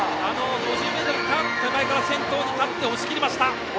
５０ｍのターン手前から先頭に立って押し切りました。